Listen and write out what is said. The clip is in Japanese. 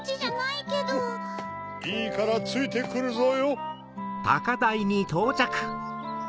いいからついてくるぞよ。